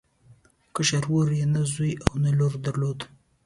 کشر ورور یې نه زوی او نه لور درلوده.